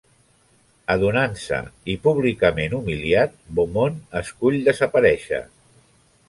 Adonant-se, i públicament humiliat, Beaumont escull desaparèixer.